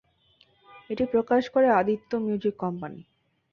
এটি প্রকাশ করে Aditya music company.